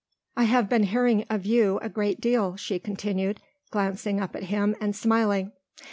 "I have been hearing of you a great deal," she continued, glancing up at him and smiling.